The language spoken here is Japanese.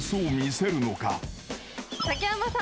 竹山さん